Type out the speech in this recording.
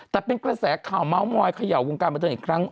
แต่เป็นกระแสข่าวเมาไม้ขยาววงการมาเท่านี้อีกครั้ง